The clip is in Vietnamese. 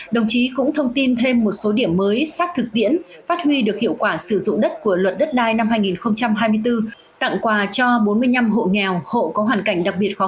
đồng chí cũng thông tin thêm một số điểm mới sát thực tiễn phát huy được hiệu quả sử dụng đất của luật đất đai năm hai nghìn hai mươi bốn tặng quà cho bốn mươi năm hộ nghèo hộ có hoàn cảnh đặc biệt khó khăn người cao tuổi người có uy tín của huyện bắc mê